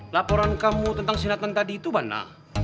laporan kamu tentang si natan tadi itu mana